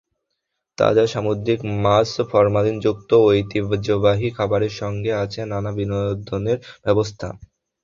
তাজা সামুদ্রিক মাছ, ফরমালিনমুক্ত ঐতিহ্যবাহী খাবারের সঙ্গে আছে নানা বিনোদনের ব্যবস্থা।